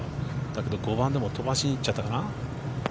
だけど５番でも飛ばしにいっちゃったかな。